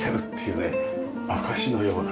証しのような。